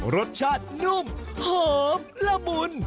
รสชาตินุ่มหอมละมุน